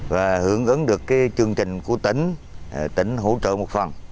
và hưởng ứng được chương trình của tỉnh tỉnh hỗ trợ một phần